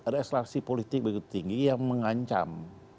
reslasi politik begitu tinggi yang mengancam